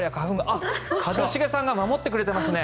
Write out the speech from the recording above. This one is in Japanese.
あ、一茂さんが守ってくれていますね。